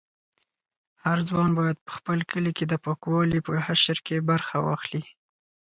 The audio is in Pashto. هر ځوان باید په خپل کلي کې د پاکوالي په حشر کې برخه واخلي.